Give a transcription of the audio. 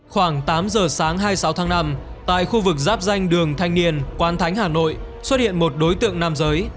khoảng tám giờ sáng hai mươi sáu tháng năm tại khu vực giáp danh đường thanh niên quán thánh hà nội xuất hiện một đối tượng nam giới